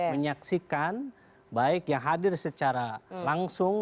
menyaksikan baik yang hadir secara langsung